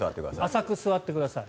浅く座ってください。